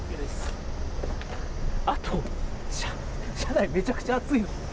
あと、車内、めちゃくちゃ暑い。